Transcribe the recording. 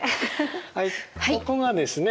はいここがですね